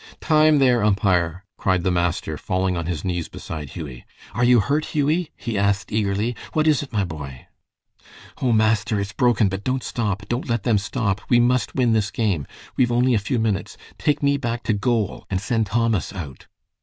"Time, there, umpire!" cried the master, falling on his knees beside Hughie. "Are you hurt, Hughie?" he asked, eagerly. "What is it, my boy?" "Oh, master, it's broken, but don't stop. Don't let them stop. We must win this game. We've only a few minutes. Take me back to goal and send Thomas out."